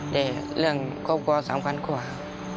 แต่เรื่องครอบครัวสำคัญกว่า